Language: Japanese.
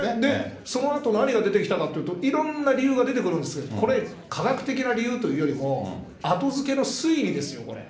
そのあと何が出てきたかっていうと、いろんな理由が出てくるんですけど、これ、科学的な理由というよりも、後づけの推理ですよ、これ。